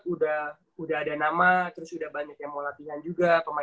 seperti sekarang gitu koko